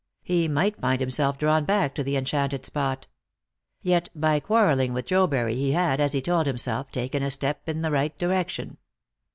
He might find himself drawn back to the enchanted spot. Yet by quarrelling with Jobury he had, as he told himself, taken a step in the right direction.